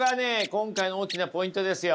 今回の大きなポイントですよ。